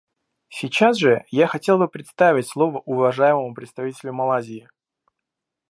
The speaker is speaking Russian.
Сейчас же я хотел бы предоставить слово уважаемому представителю Малайзии.